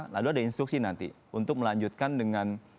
lalu ada instruksi nanti untuk melanjutkan dengan